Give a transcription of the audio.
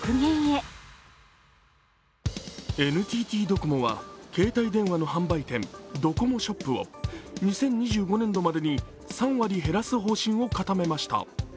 ＮＴＴドコモは携帯電話の販売店、ドコモショップを２０２５年度までに３割減らす方針を固めました。